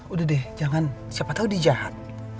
udah deh jangan siapa tahu dia jahat